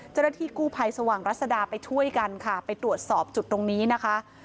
เจ้าหน้าที่กู้ภัยสว่างรัศดาไปช่วยกันค่ะไปตรวจสอบจุดตรงนี้นะคะ